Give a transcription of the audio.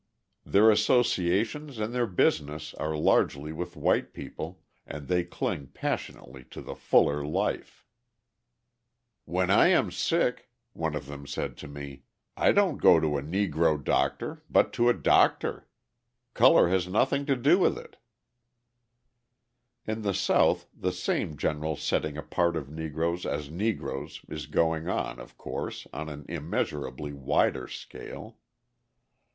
Their associations and their business are largely with white people and they cling passionately to the fuller life. [Illustration: DR. BOOKER T. WASHINGTON Photograph by Dimock] "When I am sick," one of them said to me, "I don't go to a Negro doctor, but to a doctor. Colour has nothing to do with it." In the South the same general setting apart of Negroes as Negroes is going on, of course, on an immeasurably wider scale.